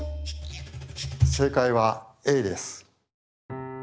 正解はＡです。